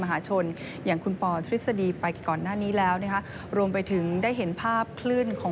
หลับให้สบายสักวันคงพบกัน